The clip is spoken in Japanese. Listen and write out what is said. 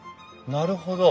なるほど。